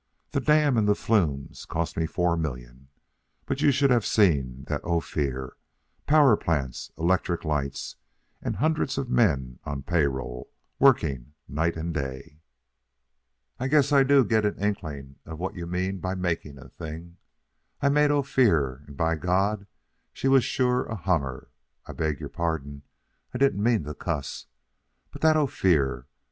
The dam and the flume cost me four million. But you should have seen that Ophir power plants, electric lights, and hundreds of men on the pay roll, working night and day. I guess I do get an inkling of what you mean by making a thing. I made Ophir, and by God, she was a sure hummer I beg your pardon. I didn't mean to cuss. But that Ophir!